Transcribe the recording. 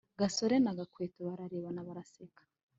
gasore na gakwego bararebana baraseka